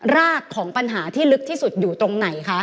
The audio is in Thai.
รากของปัญหาที่ลึกที่สุดอยู่ตรงไหนคะ